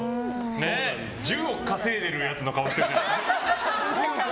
１０億稼いでるやつの顔してるよ。